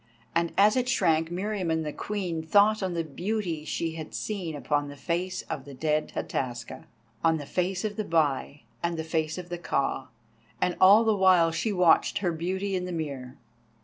And as it shrank Meriamun the Queen thought on the beauty she had seen upon the face of the dead Hataska, on the face of the Bai, and the face of the Ka, and all the while she watched her beauty in the mirror.